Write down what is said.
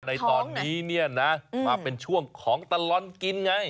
ในตอนนี้เนี่ยนะมาเป็นช่วงของตลอดกินไง